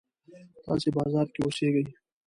تاسې بازار کې اوسېږئ.